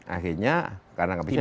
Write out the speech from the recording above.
akhirnya karena tidak bisa juga